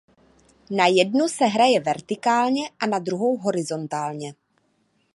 Na jednu se hraje vertikálně a na druhou horizontálně.